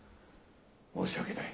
申し訳ない。